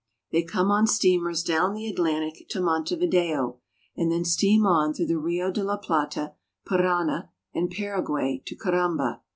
They come on steamers down the Atlantic to Montevideo, and then steam on through the Rio de la Plata, Parana, and Paraguay to Corumba.